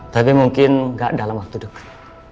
tapi mungkin nggak dalam waktu dekat